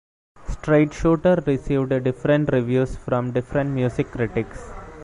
"Straight Shooter" received different reviews from different music critics.